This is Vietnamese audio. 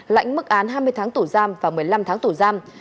lãnh mức án hai mươi tháng tù giam và một mươi năm tháng tù giam